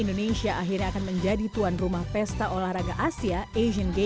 ini merupakan kedua kalinya indonesia menjadi tuan rumah dari penyelenggaran asian games ke delapan belas tahun depan